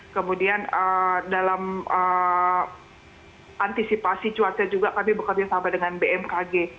kemudian dalam antisipasi cuaca juga kami bekerja sama dengan bmkg